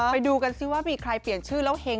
ไปดูกันซิใครเปลี่ยนชื่อแล้ว